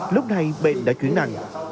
lúc này bệnh đã chuyển nặng